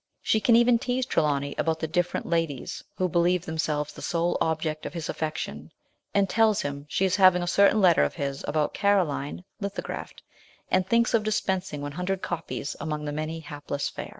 she can even tease Trelawny about the different ladies who believe themselves the sole object of his affection, and tells him she is having a certain letter of his about "Caroline" lithographed, and thinks of dispensing 100 copies among " the many hapless fair."